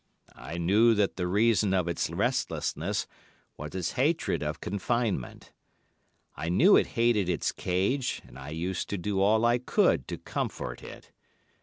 I knew that the reason of its restlessness was its hatred of confinement. I knew it hated its cage, and I used to do all I could to comfort it.